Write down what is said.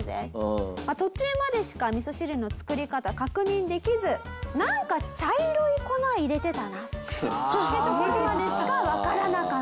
途中までしか味噌汁の作り方確認できずなんか茶色い粉入れてたなってところまでしかわからなかったと。